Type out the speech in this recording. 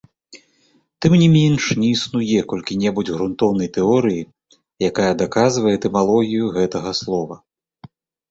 Тым не менш, не існуе колькі-небудзь грунтоўнай тэорыі, якая даказвае этымалогію гэтага слова.